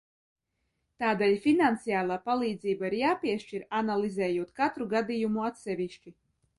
Tādēļ finansiālā palīdzība ir jāpiešķir, analizējot katru gadījumu atsevišķi.